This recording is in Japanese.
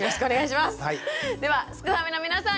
ではすくファミの皆さん